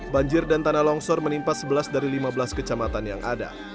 banjir dan tanah longsor menimpa sebelas dari lima belas kecamatan yang ada